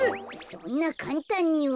そんなかんたんには。